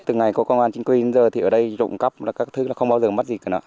từ ngày có công an chính quy đến giờ thì ở đây rộng cấp các thứ là không bao giờ mất gì cả nọ